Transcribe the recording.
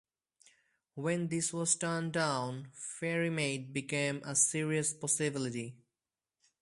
When this was turned down, Ferrymead became a serious possibility.